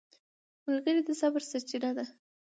ملګری د صبر سرچینه ده